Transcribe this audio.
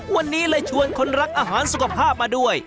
วันนี้เลยชวนคนรักอาหารสุขภาพมาด้วย